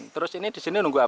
terus ini disini nunggu apa